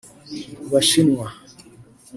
bashimwa